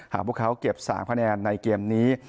หากพวกเขาเก็บ๓คะแนนในเกมนี้